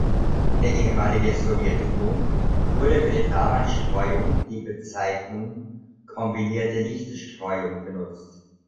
In der ehemaligen Sowjetunion wurde für die Ramanstreuung die Bezeichnung „kombinierte Lichtstreuung“ benutzt.